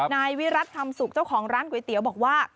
นายวิรัติคำสุขเจ้าของร้านก๋วยเตี๋ยวบอกว่า